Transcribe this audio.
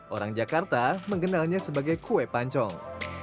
orang jakarta mengenalnya sebagai kue pancong